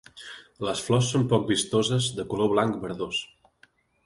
Les flors són poc vistoses de color blanc verdós.